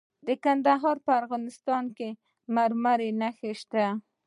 د کندهار په ارغستان کې د مرمرو نښې شته.